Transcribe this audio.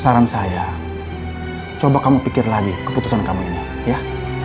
saran saya coba kamu pikir lagi keputusan kamu ini ya